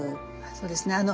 あそうですね。